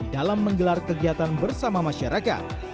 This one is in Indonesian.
dalam menggelar kegiatan bersama masyarakat